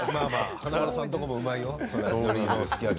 華丸さんとこ、うまいよ。